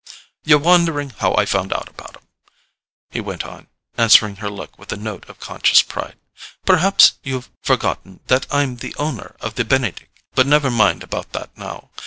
"You're wondering how I found out about 'em?" he went on, answering her look with a note of conscious pride. "Perhaps you've forgotten that I'm the owner of the Benedick—but never mind about that now.